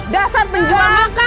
dasar penjual makam ini